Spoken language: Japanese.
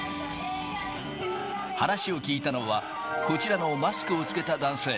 話を聞いたのは、こちらのマスクを着けた男性。